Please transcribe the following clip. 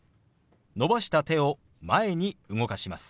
伸ばした手を前に動かします。